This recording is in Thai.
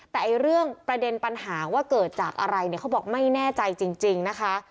แต่เรื่องประเด็นปัญหาว่าเกิดจากอะไรเนี่ยเขาบอกไม่แน่ใจจริงนะคะ